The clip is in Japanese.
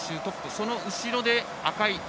その後ろで赤井。